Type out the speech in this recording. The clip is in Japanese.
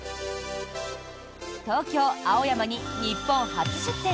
東京・青山に日本初出店。